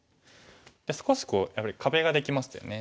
で少しやっぱり壁ができましたよね。